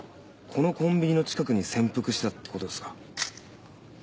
このコンビニの近くに潜伏してたってことですか？